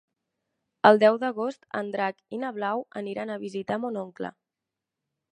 El deu d'agost en Drac i na Blau aniran a visitar mon oncle.